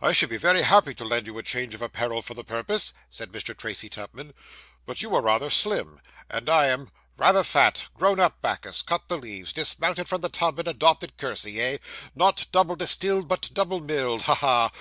'I should be very happy to lend you a change of apparel for the purpose,' said Mr. Tracy Tupman, 'but you are rather slim, and I am ' 'Rather fat grown up Bacchus cut the leaves dismounted from the tub, and adopted kersey, eh? not double distilled, but double milled ha! ha!